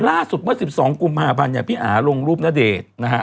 ล่าสุดเมื่อ๑๒กุมภาพันธ์เนี่ยพี่อาลงรูปณเดชน์นะฮะ